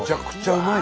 うまい！